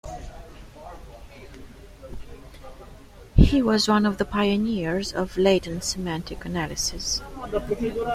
He was one of the pioneers of Latent semantic analysis.